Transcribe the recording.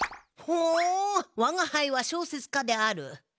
ほう「わがはいは小説家である」。